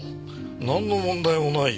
なんの問題もないよ。